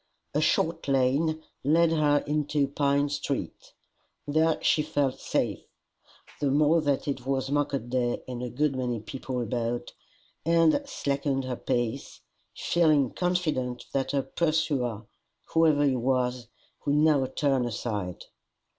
A short lane led her into Pine street. There she felt safe, the more that it was market day and a good many people about, and slackened her pace, feeling confident that her pursuer, whoever he was, would now turn aside.